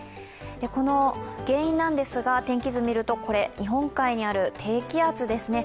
この原因なんですが、天気図を見ると日本海にある低気圧ですね。